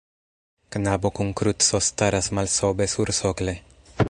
Knabo kun kruco staras malsobe sursokle.